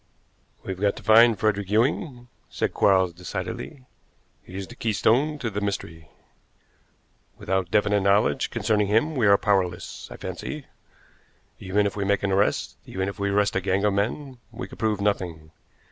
"We've got to find Frederick Ewing," said Quarles decidedly. "He is the keystone to the mystery. Without definite knowledge concerning him we are powerless, I fancy. Even if we make an arrest, even if we arrest a gang of men, we could prove nothing.